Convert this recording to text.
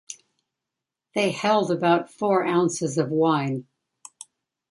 They held about four ounces of wine.